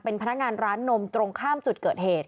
เป็นพนักงานร้านนมตรงข้ามจุดเกิดเหตุ